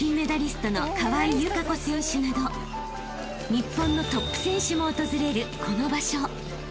［日本のトップ選手も訪れるこの場所］